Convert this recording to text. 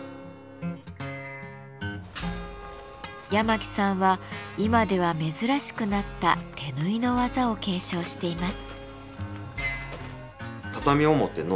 八巻さんは今では珍しくなった手縫いの技を継承しています。